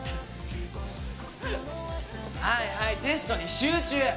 はいはいテストに集中！